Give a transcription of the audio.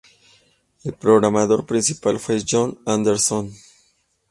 El programador principal fue Johan Andersson.